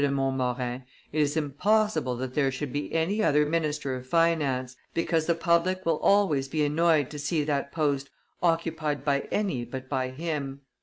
de Montmorin, "it is impossible that there should be any other minister of finance, because the public will always be annoyed to see that post occupied by any but by him."